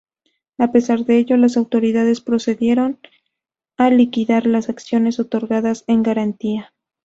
A pesar de ello, las autoridades procedieron a liquidar las acciones otorgadas en garantía.